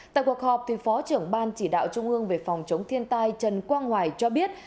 tại cuộc họp phó trưởng ban chỉ đạo trung ương về phòng chống thiên tai trần quang hoài cho biết